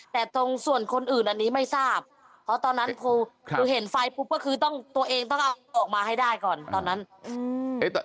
แต่ตรงส่วนคนอื่นอันนี้ไม่ทราบเพราะตอนนั้นคือเห็นไฟปุ๊บก็คือต้องตัวเองต้องเอาออกมาให้ได้ก่อนตอนนั้นอืม